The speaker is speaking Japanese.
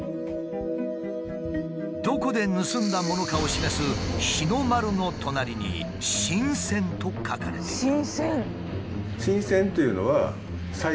どこで盗んだものかを示す「日の丸」の隣に「新鮮」と書かれている。